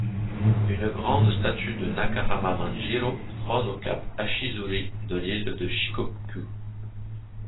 Une grande statue de Nakahama Manjirō trône au cap Ashizuri sur l'île de Shikoku.